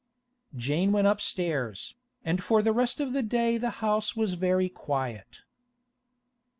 Jane went upstairs, and for the rest of the day the house was very quiet.